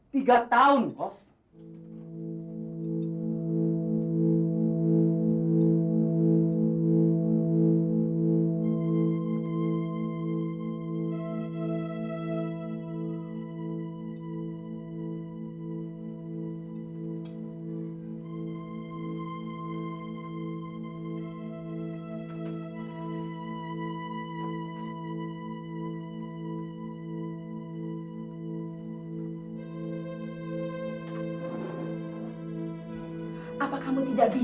tiga tahun kos